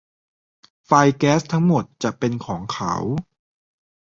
ไฟแก๊สทั้งหมดจะเป็นของเขา